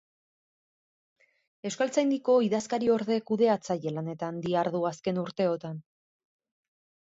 Euskaltzaindiko idazkariorde-kudeatzaile lanetan dihardu azken urteotan.